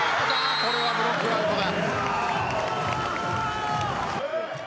これはブロックアウトだ。